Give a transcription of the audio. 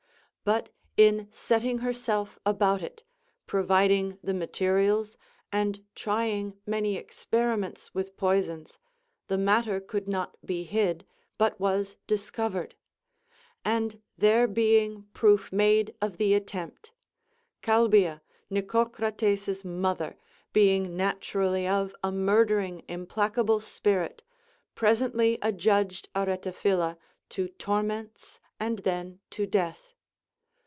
But in setting herself about it, pro viding the materials, and trying many experiments \vith poisons, the matter could not be hid, but was discovered ; and there being proof made of the attempt, Calbia, Nico crates's mother, being naturally of a murdering implacable CONCERNING THE VIRTUES OF WOMEN. 369 spirit, presently adjudged Aretaphila to torments and then to death.